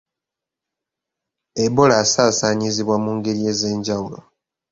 Ebola asaasaanyizibwa mu ngeri ez'enjawulo.